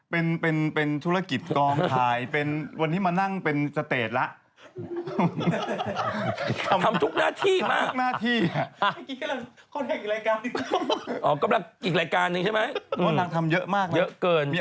ปลอกสิรธิ์แต่ตี๔นี่